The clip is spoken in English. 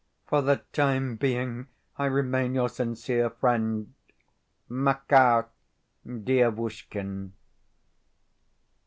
For the time being I remain your sincere friend, MAKAR DIEVUSHKIN.